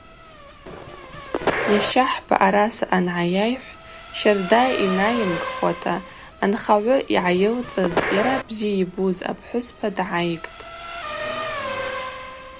Йащахӏба араса ангӏайайхӏв щарда йнайымгхуата анхагӏвы йгӏайылцӏыз, йара бзи йбуз апхӏвыспа дгӏайгтӏ.